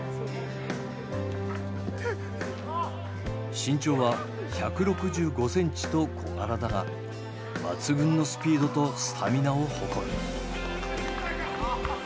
身長は１６５センチと小柄だが抜群のスピードとスタミナを誇る。